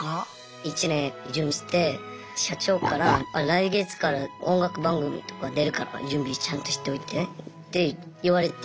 １年準備して社長から来月から音楽番組とか出るから準備ちゃんとしておいてって言われて。